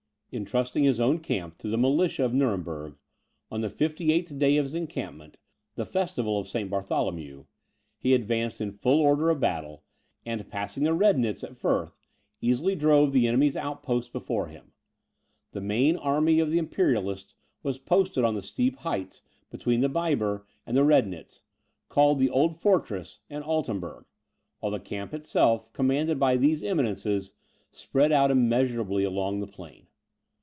Intrusting his own camp to the militia of Nuremberg, on the fifty eighth day of his encampment, (the festival of St. Bartholomew,) he advanced in full order of battle, and passing the Rednitz at Furth, easily drove the enemy's outposts before him. The main army of the Imperialists was posted on the steep heights between the Biber and the Rednitz, called the Old Fortress and Altenberg; while the camp itself, commanded by these eminences, spread out immeasurably along the plain.